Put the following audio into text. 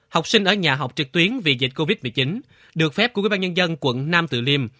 học sinh ở nhà học trực tuyến vì dịch covid một mươi chín được phép của quỹ ban nhân dân quận nam từ liêm